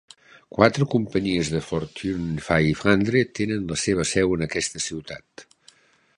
Quatre companyies de Fortune Five Hundred tenen la seva seu en aquesta ciutat.